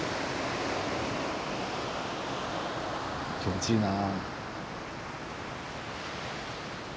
気持ちいいな。